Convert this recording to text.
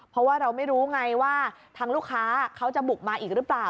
เพราะว่าเราไม่รู้ไงว่าทางลูกค้าเขาจะบุกมาอีกหรือเปล่า